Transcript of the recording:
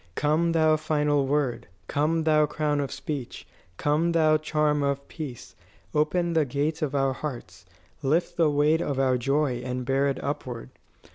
"Come, thou final word; Come, thou crown of speech! Come, thou charm of peace! Open the gates of our hearts. Lift the weight of our joy and bear it upward.